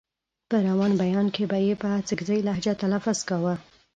په روان بيان کې به يې په اڅکزۍ لهجه تلفظ کاوه.